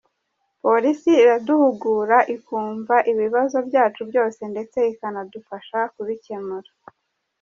Polisi iraduhugura, ikumva ibibazo byacu byose ndetse ikanadufasha kubikemura.